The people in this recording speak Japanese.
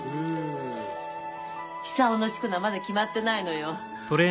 久男の四股名まだ決まってないのよ。